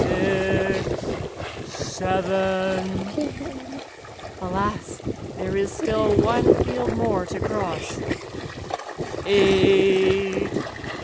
" Six ! Seven !'' Alas, there is still one field more to cross. ''Eight!''